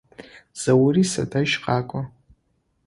Заури садэжь къэкӏо.